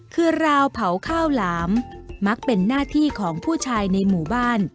คือราวเผาข้าวหลามมักเป็นหน้าที่ของผู้ชายในหมู่บ้าน